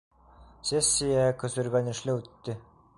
Сессия көсөргәнешле үтте.